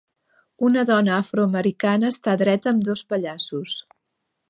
Una dona afroamericana està dreta amb dos pallassos.